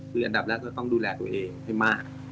คืออันดับแรกก็ต้องดูแลตัวเองให้มาก